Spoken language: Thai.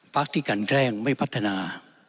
ภาคที่กันแรงไม่พัฒนา